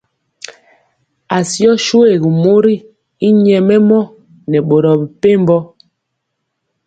Asió shuégu mori y nyɛmemɔ nɛ boro mepempɔ.